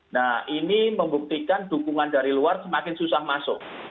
nah ini membuktikan dukungan dari luar semakin susah masuk